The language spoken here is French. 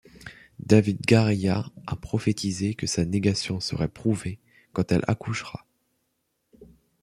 David Gareja a prophétisé que sa négation serait prouvée quand elle accouchera.